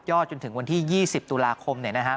จนถึงวันที่๒๐ตุลาคมเนี่ยนะครับ